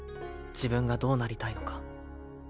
自分がどうなりたいのか